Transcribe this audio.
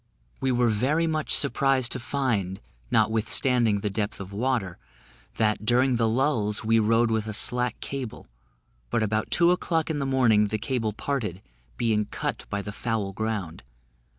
We were very much surprised to find, notwithstanding the depth of water, that, during the lulls, we rode with a slack cable; but about two o'clock in the morning the cable parted, being cut by the foul ground.